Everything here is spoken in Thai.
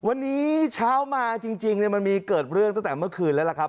วันนี้เช้ามาจริงมันมีเกิดเรื่องตั้งแต่เมื่อคืนแล้วล่ะครับ